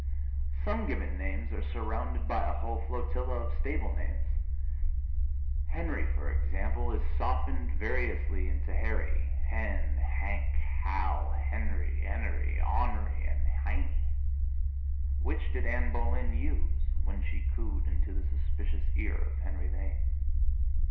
Some given names are surrounded by a whole flotilla of stable names. Henry, for example, is softened variously into Harry, Hen, Hank, Hal, Henny, Enery, On'ry and Heinie. Which did Ann Boleyn use when she cooed into the suspicious ear of Henry VIII.?